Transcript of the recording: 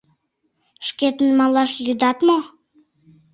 Шкетын малаш лӱдат мо?..